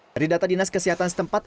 dari data dinas kesehatan setempat